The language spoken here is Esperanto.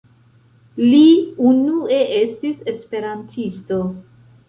Li unue estis Esperantisto.